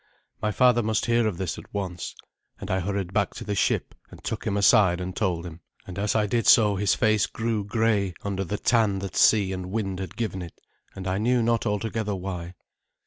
My father must hear of this at once; and I hurried back to the ship, and took him aside and told him. And as I did so his face grew grey under the tan that sea and wind had given it, and I knew not altogether why.